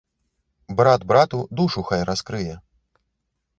Брат брату душу хай раскрые.